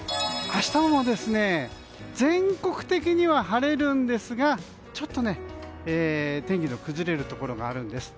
明日、全国的には晴れるんですが天気の崩れるところがあるんです。